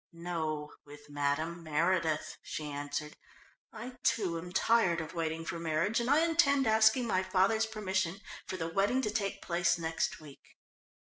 "No, with Madame Meredith," she answered. "I, too, am tired of waiting for marriage and I intend asking my father's permission for the wedding to take place next week.